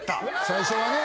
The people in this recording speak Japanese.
最初はね。